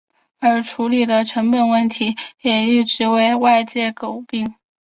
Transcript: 再处理的成本问题也一直为外界诟病。